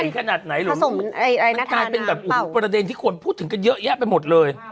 มันใหญ่ขนาดไหนหรือมันกลายเป็นแบบประเด็นที่ควรพูดถึงกันเยอะแยะไปหมดเลย